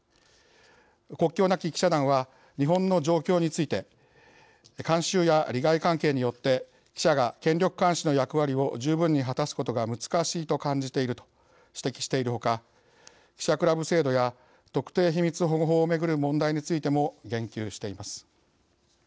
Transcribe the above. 国境なき記者団は日本の状況について慣習や利害関係によって記者が権力監視の役割を十分に果たすことが難しいと感じていると指摘しているほか記者クラブ制度や特定秘密保護法をめぐる問題についても言及しています。